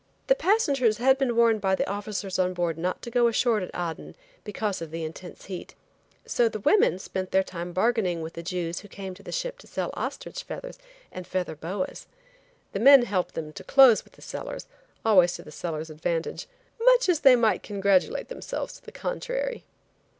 The passengers had been warned by the officers on board not to go ashore at Aden because of the intense heat. So the women spent their time bargaining with the Jews who came to the ship to sell ostrich feathers and feather boas. The men helped them to close with the sellers always to the sellers' advantage, much as they might congratulate themselves to the contrary.